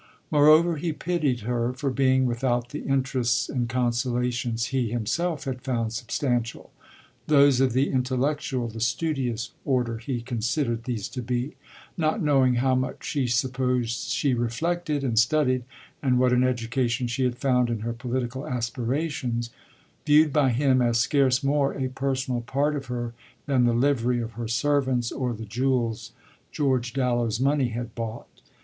Moreover he pitied her for being without the interests and consolations he himself had found substantial: those of the intellectual, the studious order he considered these to be, not knowing how much she supposed she reflected and studied and what an education she had found in her political aspirations, viewed by him as scarce more a personal part of her than the livery of her servants or the jewels George Dallow's money had bought.